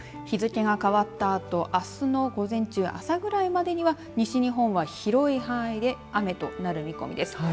日付が変わったあとあすの午前中朝ぐらいまでには西日本は広い範囲で雨となる見込みです。